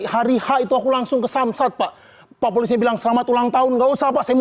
hari h itu aku langsung ke samsat pak pak polisi bilang selamat ulang tahun enggak usah pak saya mau